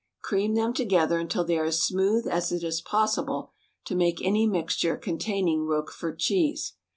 Cream them together until they are as smooth as it is possible to make any mixture contain ing Roquefort cheese.